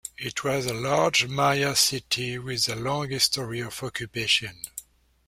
It was a large Maya city with a long history of occupation.